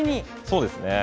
そうですね。